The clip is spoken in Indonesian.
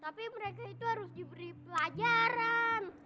tapi mereka itu harus diberi pelajaran